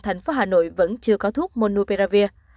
thành phố hà nội vẫn chưa có thuốc monopiravir